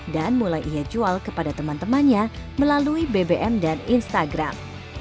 dan mulai ia jual kepada teman temannya melalui bbm dan instagram